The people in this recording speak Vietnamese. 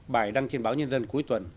bài đăng trên báo nhân dân cuối tuần